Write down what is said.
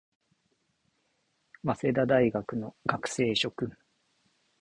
早稲田大学の学生諸君